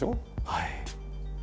はい。